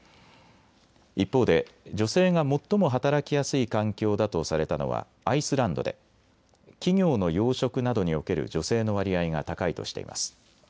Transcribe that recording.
一方で女性が最も働きやすい環境だとされたのはアイスランドで企業の要職などにおける女性の割合が高いとしています。